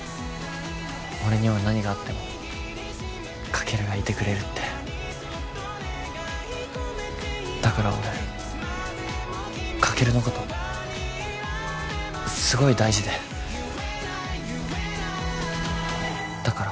俺には何があってもカケルがいてくれるってだから俺カケルのことすごい大事でだから